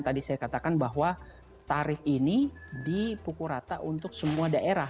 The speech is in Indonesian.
tadi saya katakan bahwa tarif ini dipukul rata untuk semua daerah